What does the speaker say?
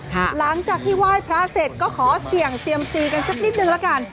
หลังจากที่ไหว้พระเสร็จก็ขอเสี่ยงเซียมซีกันสักนิดนึงละกัน